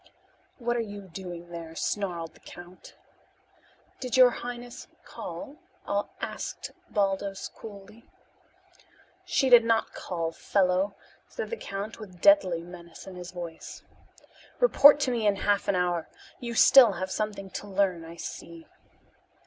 "What are you doing there?" snarled the count. "Did your highness call?" asked Baldos coolly. "She did not call, fellow," said the count with deadly menace in his voice. "Report to me in half an hour. You still have something to learn, I see."